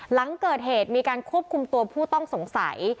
หลังเกิดเหตุมีการควบคุมตัวผู้ต้องสงสัย